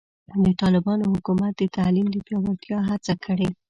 د طالبانو حکومت د تعلیم د پیاوړتیا هڅه کړې.